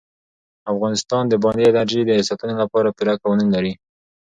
افغانستان د بادي انرژي د ساتنې لپاره پوره قوانین لري.